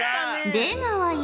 出川よ